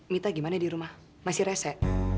mita gimana di rumah masih rese